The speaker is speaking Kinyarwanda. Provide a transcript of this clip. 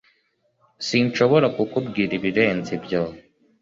sinshobora kukubwira ibirenze ibyo